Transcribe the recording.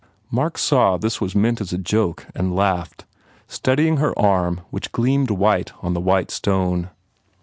Mark saw this was meant as a joke and laughed, studying her arm which gleamed white on the white stone.